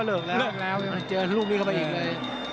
ลื่เกธ์ลื่กไง